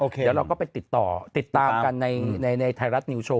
เดี๋ยวเราก็ไปติดต่อติดตามกันในไทยรัฐนิวโชว